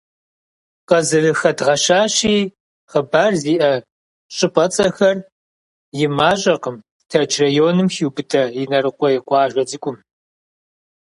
Къызэрыхэдгъэщащи, хъыбар зиӏэ щӏыпӏэцӏэхэр и мащӏэкъым Тэрч районым хиубыдэ Инарыкъуей къуажэ цӏыкӏум.